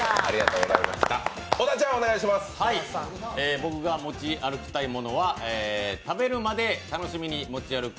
僕が持ち歩きたいものは食べるまで楽しみに持ち歩く